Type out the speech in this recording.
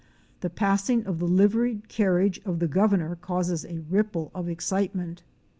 The passing of the liveried carriage of the Governor causes a ripple of excitement.